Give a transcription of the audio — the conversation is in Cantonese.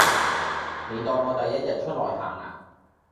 你當我第一日出來行呀